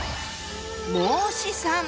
孟子さん！